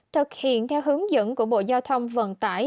thực hiện theo hướng dẫn của bộ giao thông vận tải